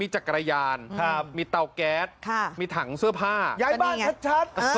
มีจักรยานครับมีเตาแก๊สค่ะมีถังเสื้อผ้าย้ายบ้านชัดชัด